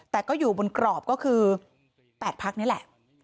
แต่ก็อยู่บนกรอบก็คือ๘พักนี่แหละ